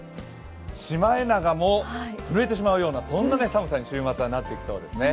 シマエナガも震えてしまうような寒さに週末はなりそうですね。